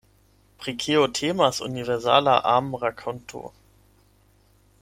Pri kio temas Universala Amrakonto?